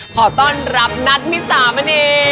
ขอต้อนรับนัทมิสามณี